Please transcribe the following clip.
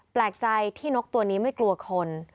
แปลกใจที่นกตัวนี้ไม่กลัวคน